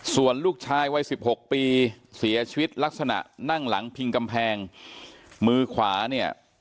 ส่วนลูกชายวัยสิบหกปีเสียชีวิตลักษณะนั่งหลังพิงกำแพงมือขวาเนี่ย